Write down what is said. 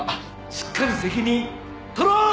しっかり責任取ろう！